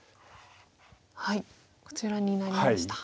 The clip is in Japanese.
こちらになりました。